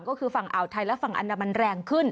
ก็คือฝั่งอ่าวไทยและฝั่งอันดามันแรงขึ้น